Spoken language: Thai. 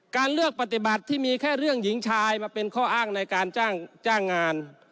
การเลือกปฏิบัติที่มีแค่เรื่องหญิงชายมาเป็นข้ออ้างในการจ้างงาน